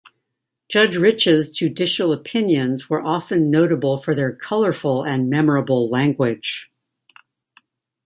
Judge Rich's judicial opinions were often notable for their colorful and memorable language.